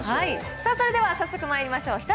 さあ、それでは早速、まいりましょう。